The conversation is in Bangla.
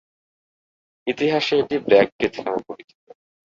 ইতিহাসে এটি ব্ল্যাক ডেথ নামে পরিচিত।